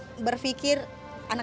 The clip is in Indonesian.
untuk saya bercerita terus terang